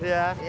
terima kasih ya